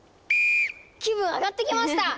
気分上がってきました！